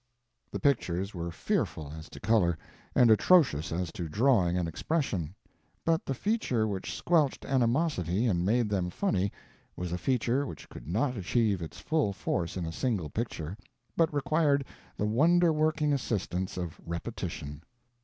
The pictures were fearful, as to color, and atrocious as to drawing and expression; but the feature which squelched animosity and made them funny was a feature which could not achieve its full force in a single picture, but required the wonder working assistance of repetition.